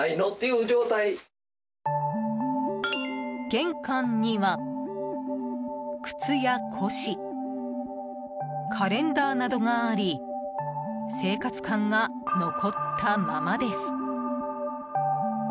玄関には靴や、古紙カレンダーなどがあり生活感が残ったままです。